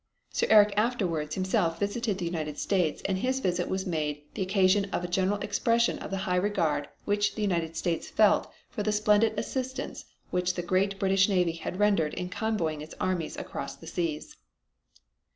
Sir Eric afterward himself visited the United States and his visit was made the occasion of a general expression of the high regard which the United States felt for the splendid assistance which the great British Navy had rendered in convoying its armies across the seas.